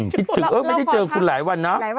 คิดถึงเออไม่ได้เจอคุณหลายวันนะ